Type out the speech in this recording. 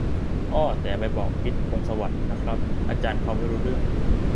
เอ้อ แต่อย่าไปบอก พิชญ์ พงษ์สวัสดิ์ นะครับ อาจารย์เขาไม่รู้เรื่อง